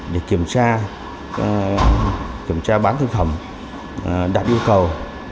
để kiểm tra bán thực phẩm đạt yêu cầu